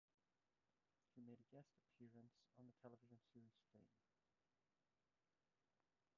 He made a guest appearance on the television series "Fame".